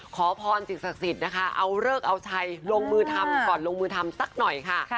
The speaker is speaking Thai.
ขอพรสิ่งศักดิ์สิทธิ์นะคะเอาเลิกเอาชัยลงมือทำก่อนลงมือทำสักหน่อยค่ะ